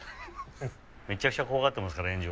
・めちゃくちゃ怖がっていますから炎上。